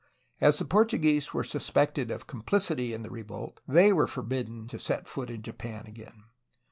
As the Portuguese were suspected of complicity in the revolt, they were forbidden to set foot in Japan again.